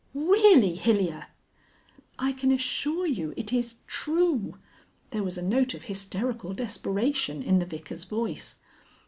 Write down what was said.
"Really, Hilyer " "I can assure you it is true." There was a note of hysterical desperation in the Vicar's voice.